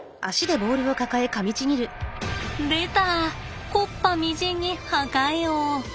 でた木っ端みじんに破壊王。